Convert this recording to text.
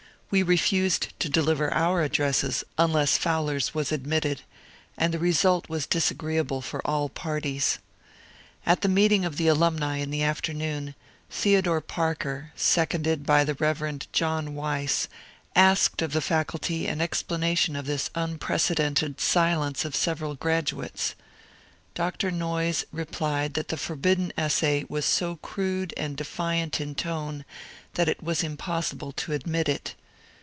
We refused to deliver our addresses unless Fowler's was admitted, and the result was disagreeable for all parties. At the meeting of the Alumni in the afternoon, Theo dore Parker, seconded by the Bev. John Weiss, asked of the Faculty an explanation of this unprecedented silence of sev eral graduates. Dr. Noyes replied that the forbidden essay was so crude and defiant in tone that it was impossible to admit it.